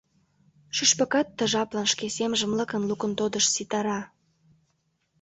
Шӱшпыкат ты жаплан шке семжым лыкын-лукын тодышт ситара.